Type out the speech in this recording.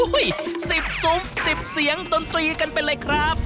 อุ๊ยสิบซุ้มสิบเสียงตนตรีกันเป็นเลยครับ